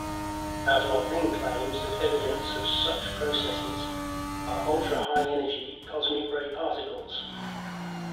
Pavlov then claims that evidence of such processes are ultra-high-energy cosmic ray particles.